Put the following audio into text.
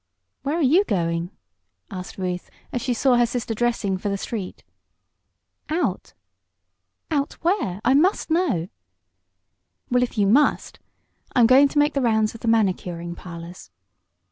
"Where are you going?" asked Ruth, as she saw her sister dressing for the street. "Out." "Out where? I must know." "Well, if you must, I'm going to make the rounds of the manicuring parlors."